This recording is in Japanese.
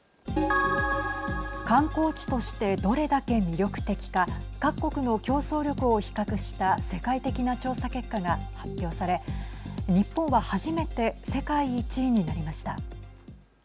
観光地としてどれだけ魅力的か各国の競争力を比較した世界的な調査結果が発表され、日本は初めて世界１位になりました。